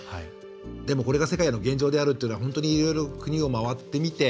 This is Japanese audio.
でも、これが世界の現状であるというのはいろいろ国を回ってみて。